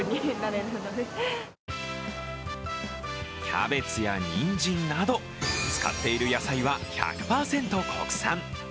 キャベツやにんじんなど、使っている野菜は１００％国産。